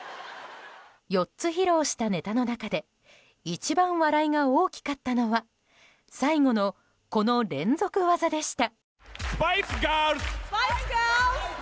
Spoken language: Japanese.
４つ披露したネタの中で一番笑いが大きかったのは最後の、この連続技でした。